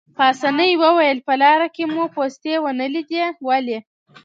پاسیني وویل: په لاره کې مو پوستې ونه لیدې، ولې؟